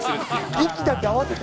息だけ合わせて。